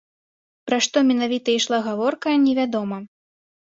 Пра што менавіта ішла гаворка, невядома.